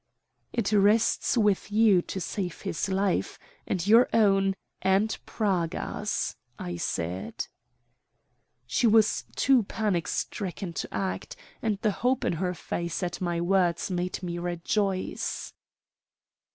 "It rests with you to save his life, and your own, and Praga's," I said. She was too panic stricken to act, and the hope in her face at my words made me rejoice.